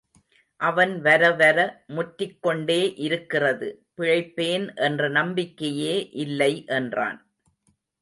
அவன் வரவர முற்றிக் கொண்டே இருக்கிறது. பிழைப்பேன் என்ற நம்பிக்கையே இல்லை என்றான்.